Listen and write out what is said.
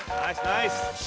ナイス！